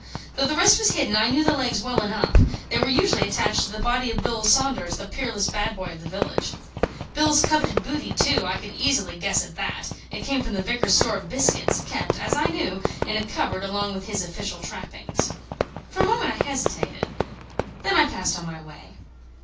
Though the rest was hidden, I knew the legs well enough; they were usually attached to the body of Bill Saunders, the peerless bad boy of the village. Bill's coveted booty, too, I could easily guess at that; it came from the Vicar's store of biscuits, kept (as I knew) in a cupboard along with his official trappings. For a moment I hesitated; then I passed on my way.